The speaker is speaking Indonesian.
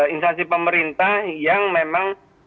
instansi pemerintah yang memang